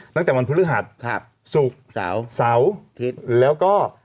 ตั้งแต่วันพฤหัสศูกเสาแล้วก็